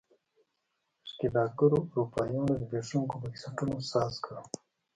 ښکېلاکګرو اروپایانو زبېښونکو بنسټونو ساز کړل.